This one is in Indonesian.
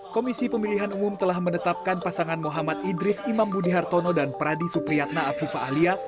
komisi pemilihan umum telah menetapkan pasangan muhammad idris imam budi hartono dan pradi supriyatna afifah alia